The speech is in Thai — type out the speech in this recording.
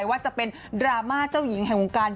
ว่าจะเป็นดราม่าเจ้าหญิงแห่งวงการ